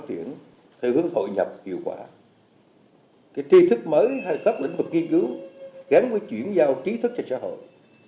trong đó lưu ý chi thức mới các lĩnh vực nghiên cứu gắn với chuyển giao trí thức cho xã hội